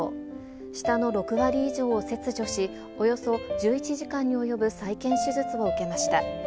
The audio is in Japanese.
舌の６割以上を切除し、およそ１１時間に及ぶ再建手術を受けました。